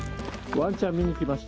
ワンちゃん見に来ました。